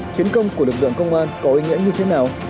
chiến công của lực lượng công an có ý nghĩa như thế nào